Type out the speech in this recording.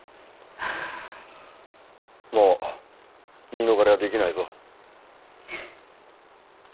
もう言い逃れは出来ないぞ。